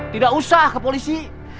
tidak usah ke polisi